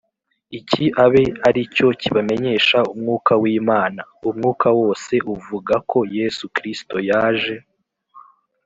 Iki abe ari cyo kibamenyesha Umwuka w’Imana: umwuka wose uvuga ko Yesu Kristo yaje